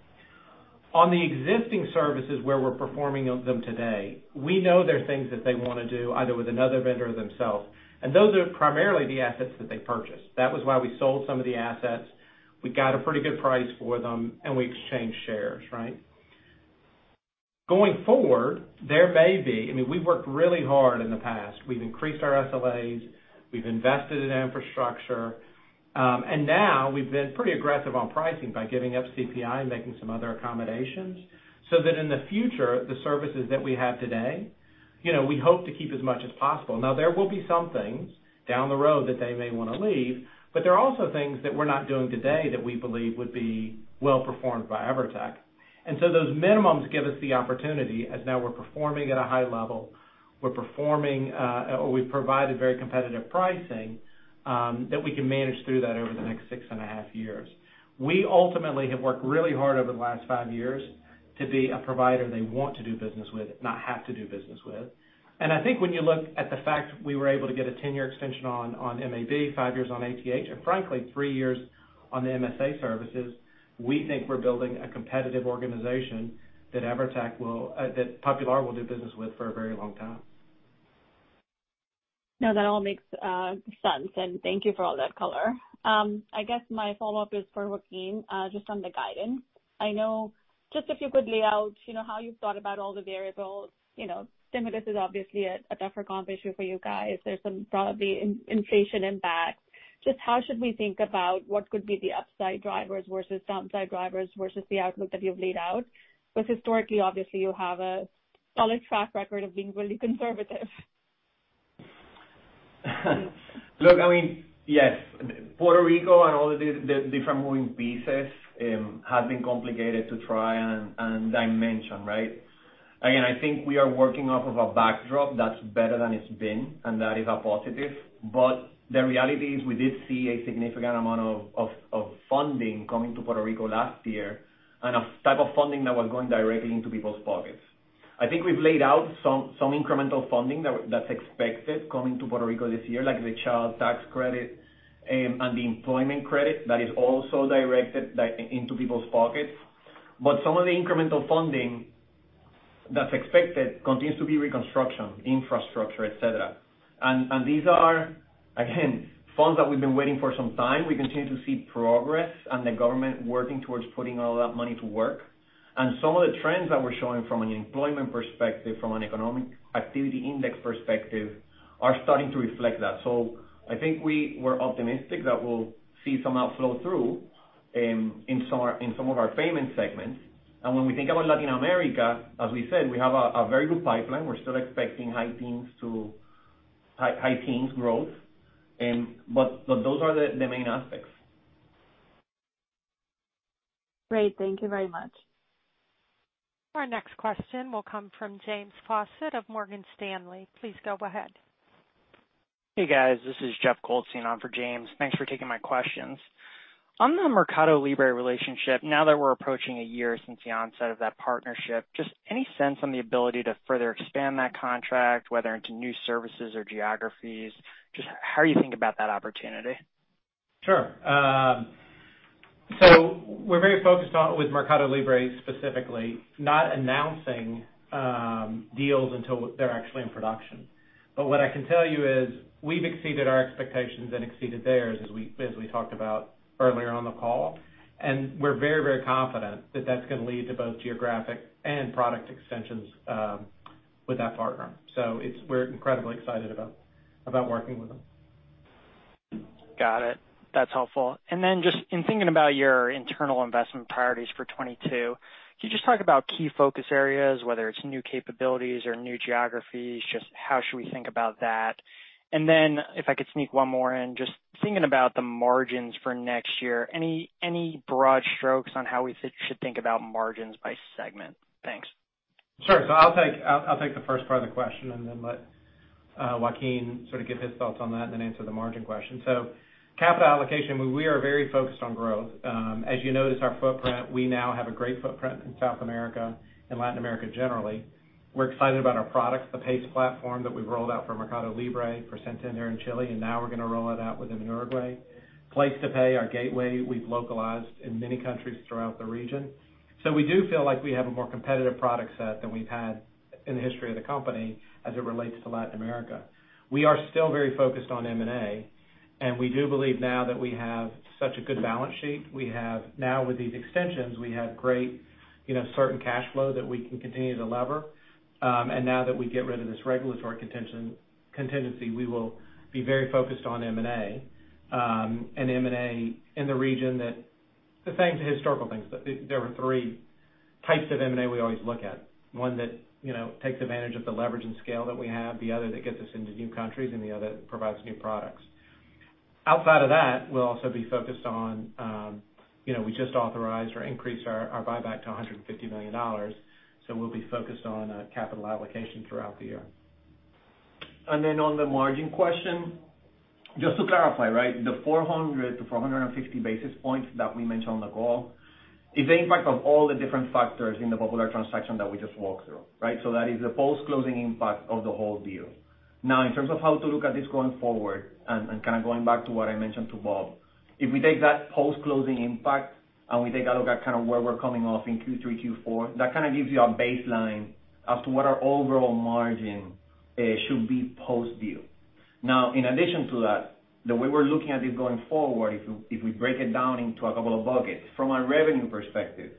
[SPEAKER 3] On the existing services where we're performing on them today, we know there are things that they wanna do either with another vendor themselves, and those are primarily the assets that they purchased. That was why we sold some of the assets. We got a pretty good price for them and we exchanged shares, right? Going forward, there may be. I mean, we've worked really hard in the past. We've increased our SLAs, we've invested in infrastructure, and now we've been pretty aggressive on pricing by giving up CPI and making some other accommodations so that in the future, the services that we have today, you know, we hope to keep as much as possible. Now, there will be some things down the road that they may wanna leave, but there are also things that we're not doing today that we believe would be well-performed by EVERTEC. Those minimums give us the opportunity, as now we're performing at a high level or we've provided very competitive pricing, that we can manage through that over the next six and a half years. We ultimately have worked really hard over the last five years to be a provider they want to do business with, not have to do business with. I think when you look at the fact we were able to get a 10-year extension on MAB, five years on ATH, and frankly three years on the MSA services, we think we're building a competitive organization that EVERTEC will, that Popular will do business with for a very long time.
[SPEAKER 7] No, that all makes sense, and thank you for all that color. I guess my follow-up is for Joaquin, just on the guidance. I know just if you could lay out, you know, how you've thought about all the variables. You know, stimulus is obviously a tougher comp issue for you guys. There's some probably inflation impact. Just how should we think about what could be the upside drivers versus downside drivers versus the outlook that you've laid out? Because historically, obviously you have a solid track record of being really conservative.
[SPEAKER 4] Look, I mean, yes, Puerto Rico and all the different moving pieces has been complicated to try and dimension, right? Again, I think we are working off of a backdrop that's better than it's been, and that is a positive. But the reality is we did see a significant amount of funding coming to Puerto Rico last year and a type of funding that was going directly into people's pockets. I think we've laid out some incremental funding that's expected coming to Puerto Rico this year, like the child tax credit and the employment credit that is also directed, like, into people's pockets. But some of the incremental funding that's expected continues to be reconstruction, infrastructure, et cetera. These are, again, funds that we've been waiting for some time. We continue to see progress and the government working towards putting all that money to work. Some of the trends that we're showing from an employment perspective, from an economic activity index perspective, are starting to reflect that. I think we're optimistic that we'll see some outflow through in some of our payment segments. When we think about Latin America, as we said, we have a very good pipeline. We're still expecting high teens growth. Those are the main aspects.
[SPEAKER 7] Great. Thank you very much.
[SPEAKER 1] Our next question will come from James Faucette of Morgan Stanley. Please go ahead.
[SPEAKER 8] Hey, guys. This is Jeff Goldstein on for James. Thanks for taking my questions. On the Mercado Libre relationship, now that we're approaching a year since the onset of that partnership, just any sense on the ability to further expand that contract, whether into new services or geographies? Just how do you think about that opportunity?
[SPEAKER 3] Sure. We're very focused on with Mercado Libre specifically, not announcing deals until they're actually in production. What I can tell you is we've exceeded our expectations and exceeded theirs as we talked about earlier on the call. We're very, very confident that that's gonna lead to both geographic and product extensions with that partner. We're incredibly excited about working with them.
[SPEAKER 8] Got it. That's helpful. Just in thinking about your internal investment priorities for 2022, can you just talk about key focus areas, whether it's new capabilities or new geographies, just how should we think about that? If I could sneak one more in, just thinking about the margins for next year, any broad strokes on how we should think about margins by segment? Thanks.
[SPEAKER 3] Sure. I'll take the first part of the question, and then let Joaquin sort of give his thoughts on that and then answer the margin question. Capital allocation, we are very focused on growth. As you notice our footprint, we now have a great footprint in South America and Latin America generally. We're excited about our products, the PayStudio platform that we've rolled out for Mercado Libre for Santander in Chile, and now we're gonna roll it out within Uruguay. PlacetoPay, our gateway we've localized in many countries throughout the region. We do feel like we have a more competitive product set than we've had in the history of the company as it relates to Latin America. We are still very focused on M&A, and we do believe now that we have such a good balance sheet. Now with these extensions, we have great certain cash flow that we can continue to lever. Now that we get rid of this regulatory contingency, we will be very focused on M&A, and M&A in the region that the same historical things. There are three types of M&A we always look at. One that takes advantage of the leverage and scale that we have, the other that gets us into new countries and the other provides new products. Outside of that, we'll also be focused on, we just authorized or increased our buyback to $150 million, so we'll be focused on capital allocation throughout the year.
[SPEAKER 4] On the margin question, just to clarify, right? The 400-460 basis points that we mentioned on the call is the impact of all the different factors in the Popular transaction that we just walked through, right? So that is the post-closing impact of the whole deal. Now, in terms of how to look at this going forward and kinda going back to what I mentioned to Bob, if we take that post-closing impact and we take a look at kind of where we're coming off in Q3, Q4, that kinda gives you a baseline as to what our overall margin should be post-deal. Now, in addition to that, the way we're looking at it going forward, if we break it down into a couple of buckets. From a revenue perspective,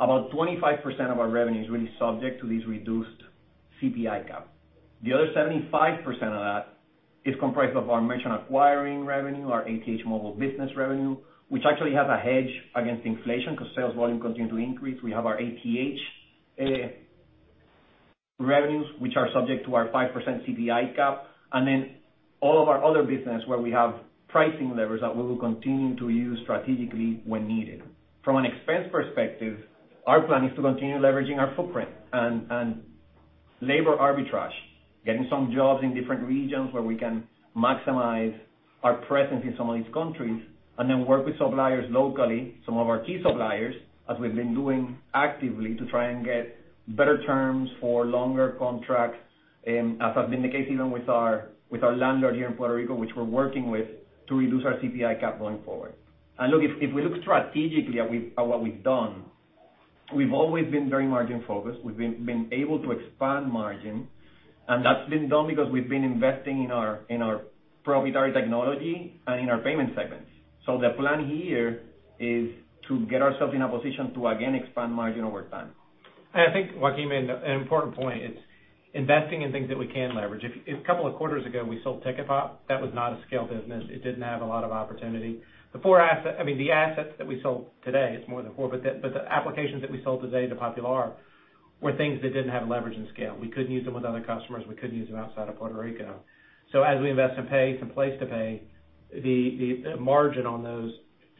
[SPEAKER 4] about 25% of our revenue is really subject to these reduced CPI cap. The other 75% of that is comprised of our merchant acquiring revenue, our ATH Móvil business revenue, which actually has a hedge against inflation 'cause sales volume continue to increase. We have our ATH revenues, which are subject to our 5% CPI cap, and then all of our other business where we have pricing levers that we will continue to use strategically when needed. From an expense perspective, our plan is to continue leveraging our footprint and labor arbitrage, getting some jobs in different regions where we can maximize our presence in some of these countries, and then work with suppliers locally, some of our key suppliers, as we've been doing actively to try and get better terms for longer contracts, as has been the case even with our landlord here in Puerto Rico, which we're working with to reduce our CPI cap going forward. Look, if we look strategically at what we've done, we've always been very margin-focused. We've been able to expand margin, and that's been done because we've been investing in our proprietary technology and in our payment segments. The plan here is to get ourselves in a position to again expand margin over time.
[SPEAKER 3] I think Joaquin made an important point. It's investing in things that we can leverage. If couple of quarters ago, we sold Ticketpop, that was not a scale business. It didn't have a lot of opportunity. The assets that we sold today, it's more than four, but the applications that we sold today to Popular were things that didn't have leverage and scale. We couldn't use them with other customers. We couldn't use them outside of Puerto Rico. As we invest in PayStudio and PlacetoPay, the margin on those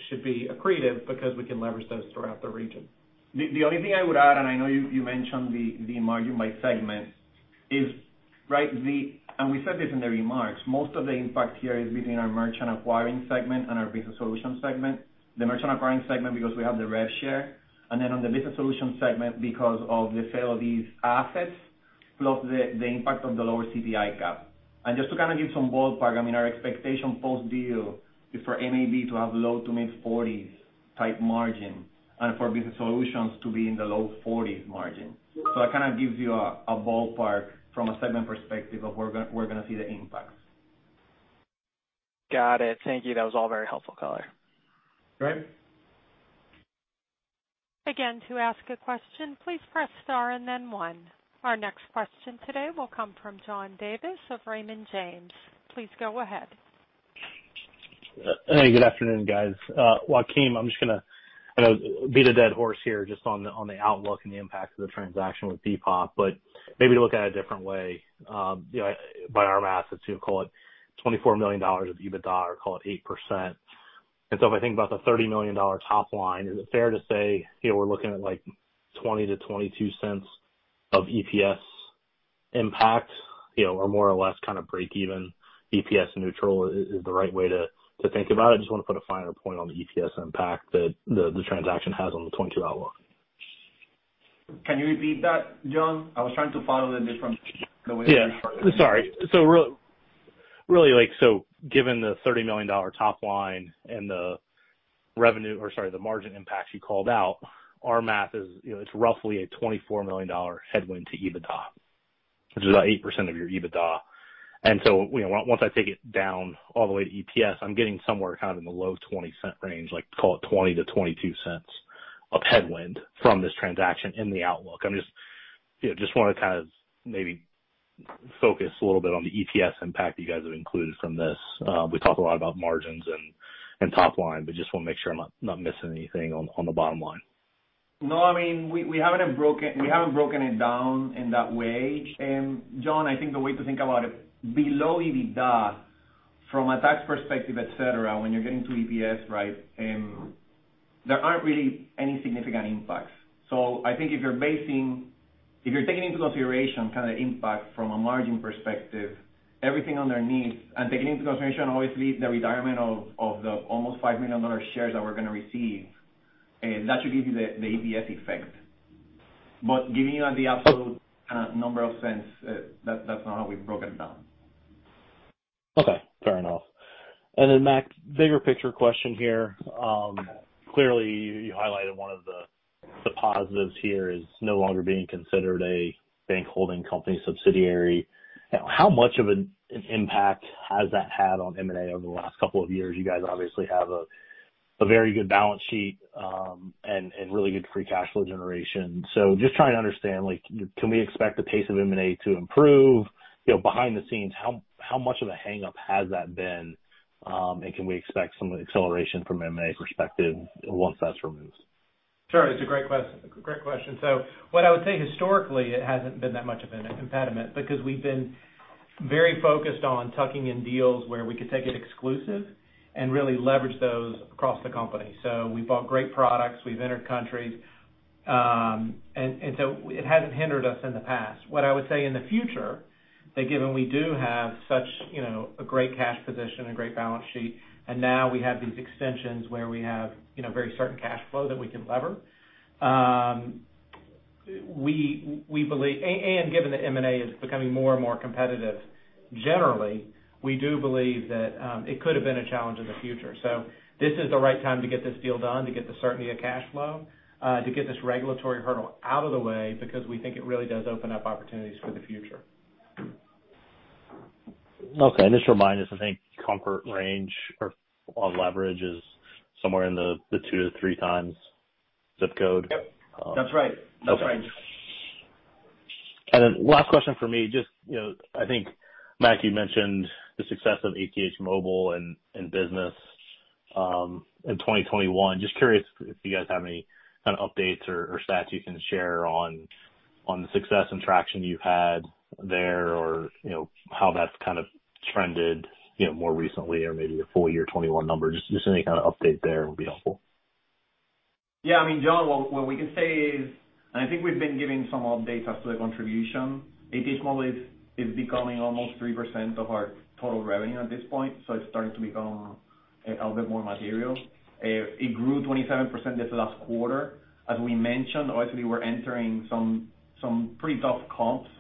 [SPEAKER 3] should be accretive because we can leverage those throughout the region.
[SPEAKER 4] The only thing I would add, and I know you mentioned the margin by segment is, and we said this in the remarks, most of the impact here is between our Merchant Acquiring segment and our Business Solutions segment. The Merchant Acquiring segment, because we have the rev share. Then on the Business Solutions segment, because of the sale of these assets, plus the impact of the lower CPI cap. Just to kind of give some ballpark, I mean, our expectation post-deal is for MAB to have low- to mid-40s-type margin and for Business Solutions to be in the low 40s margin. That kind of gives you a ballpark from a segment perspective of where we're gonna see the impacts.
[SPEAKER 8] Got it. Thank you. That was all very helpful color.
[SPEAKER 4] Great.
[SPEAKER 1] Our next question today will come from John Davis of Raymond James. Please go ahead.
[SPEAKER 9] Hey, good afternoon, guys. Joaquin, I'm just gonna, you know, beat a dead horse here just on the outlook and the impact of the transaction with BPOP. Maybe to look at it a different way, you know, by our math, let's say you call it $24 million of EBITDA, or call it 8%. If I think about the $30 million top line, is it fair to say, you know, we're looking at, like, $0.20-$0.22 of EPS impact, you know, or more or less kind of break even EPS neutral is the right way to think about it? I just wanna put a finer point on the EPS impact that the transaction has on the 2022 outlook.
[SPEAKER 4] Can you repeat that, John? I was trying to follow the different, the way.
[SPEAKER 9] Really, like, given the $30 million top line and the margin impact you called out, our math is, you know, it's roughly a $24 million headwind to EBITDA, which is about 8% of your EBITDA. You know, once I take it down all the way to EPS, I'm getting somewhere kind of in the low $0.20 Range, like call it $0.20-$0.22 of headwind from this transaction in the outlook. I'm just, you know, just wanna kind of maybe focus a little bit on the EPS impact you guys have included from this. We talked a lot about margins and top line, but just wanna make sure I'm not missing anything on the bottom line.
[SPEAKER 4] No, I mean, we haven't broken it down in that way. John, I think the way to think about it below EBITDA from a tax perspective, et cetera, when you're getting to EPS, right, there aren't really any significant impacts. I think if you're taking into consideration kinda the impact from a margin perspective, everything underneath, and taking into consideration obviously the retirement of the almost five million shares that we're gonna receive, that should give you the EPS effect. Giving you the absolute number of cents, that's not how we've broken it down.
[SPEAKER 9] Okay, fair enough. Mac, bigger picture question here. Clearly you highlighted one of the positives here is no longer being considered a bank holding company subsidiary. You know, how much of an impact has that had on M&A over the last couple of years? You guys obviously have a very good balance sheet, and really good free cash flow generation. Just trying to understand, like, can we expect the pace of M&A to improve? You know, behind the scenes, how much of a hangup has that been? And can we expect some acceleration from an M&A perspective once that's removed?
[SPEAKER 3] Sure. It's a great question. What I would say historically, it hasn't been that much of an impediment because we've been very focused on tucking in deals where we could take it exclusive and really leverage those across the company. We bought great products. We've entered countries. It hasn't hindered us in the past. What I would say in the future that given we do have such, you know, a great cash position, a great balance sheet, and now we have these extensions where we have, you know, very certain cash flow that we can lever. We believe and given that M&A is becoming more and more competitive generally, we do believe that it could have been a challenge in the future. This is the right time to get this deal done, to get the certainty of cash flow, to get this regulatory hurdle out of the way because we think it really does open up opportunities for the future.
[SPEAKER 9] Just remind us, I think comfort range on leverage is somewhere in the two-three times zip code.
[SPEAKER 3] Yep. That's right.
[SPEAKER 9] Last question for me, just, you know, I think, Mac, you mentioned the success of ATH Móvil and ATH Business in 2021. Just curious if you guys have any kind of updates or stats you can share on the success and traction you've had there or, you know, how that's kind of trended more recently or maybe your full year 2021 numbers. Just any kind of update there would be helpful.
[SPEAKER 4] Yeah. I mean, John, what we can say is, I think we've been giving some updates as to the contribution. ATH Móvil is becoming almost 3% of our total revenue at this point, so it's starting to become a bit more material. It grew 27% this last quarter. As we mentioned, obviously we're entering some pretty tough comps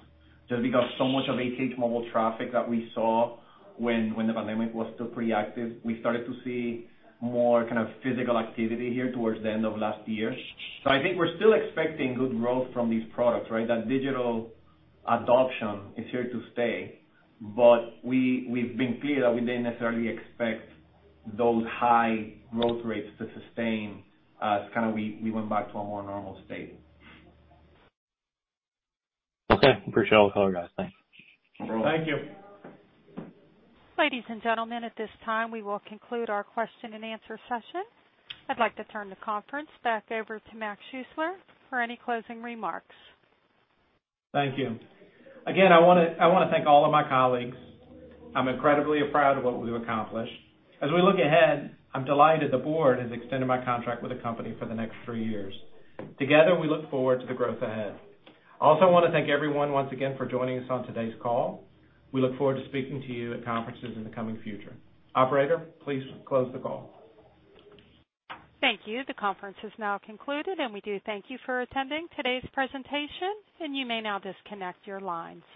[SPEAKER 4] just because so much of ATH Móvil traffic that we saw when the pandemic was still pretty active. We started to see more kind of physical activity here towards the end of last year. I think we're still expecting good growth from these products, right? That digital adoption is here to stay, but we've been clear that we didn't necessarily expect those high growth rates to sustain as kinda we went back to a more normal state.
[SPEAKER 9] Okay. Appreciate all the color, guys. Thanks.
[SPEAKER 3] Thank you.
[SPEAKER 1] Ladies and gentlemen, at this time, we will conclude our question and answer session. I'd like to turn the conference back over to Mac Schuessler for any closing remarks.
[SPEAKER 3] Thank you. Again, I wanna thank all of my colleagues. I'm incredibly proud of what we've accomplished. As we look ahead, I'm delighted the board has extended my contract with the company for the next three years. Together, we look forward to the growth ahead. I also wanna thank everyone once again for joining us on today's call. We look forward to speaking to you at conferences in the coming future. Operator, please close the call.
[SPEAKER 1] Thank you. The conference is now concluded, and we do thank you for attending today's presentation, and you may now disconnect your lines.